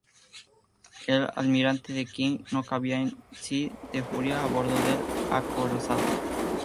El almirante King no cabía en sí de furia a bordo del acorazado.